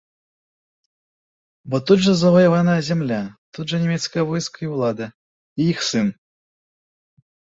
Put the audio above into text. Бо тут жа заваяваная зямля, тут жа нямецкае войска і ўлада, і іх сын!